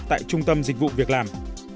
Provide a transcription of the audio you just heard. tại trung tâm dịch vụ việc làm